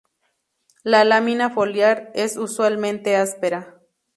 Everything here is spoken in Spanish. La lámina foliar es usualmente áspera.